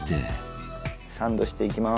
サンドしていきます。